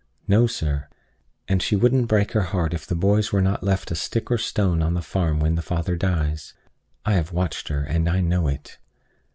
No, sir; and she wouldn't break her heart if the boys were not left a stick or a stone on the farm when the father dies. I have watched her, and I know it.